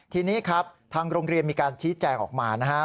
ทีนี้ครับทางโรงเรียนมีการชี้แจงออกมานะฮะ